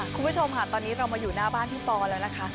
คุณผู้ชมค่ะตอนนี้เรามาอยู่หน้าบ้านพี่ปอแล้วนะคะ